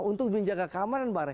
untuk menjaga keamanan